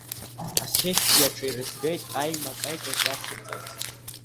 Асессиаҿы ирыӡбеит аимак-аиҿак иацырҵарц…